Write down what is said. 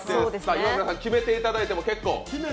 イワクラさん、決めていただいても結構。